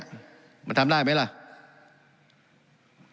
การปรับปรุงทางพื้นฐานสนามบิน